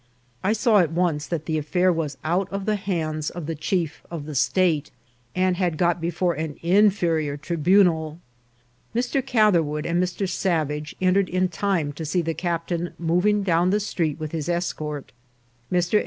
I saw at once that the affair was out of the hands of the chief of the state, and had got before an inferior tribu nal. Mr. Catherwood and Mr. Savage entered in time to see the captain moving down the street with his es A FRIEND IN NEED. 129 cort. Mr.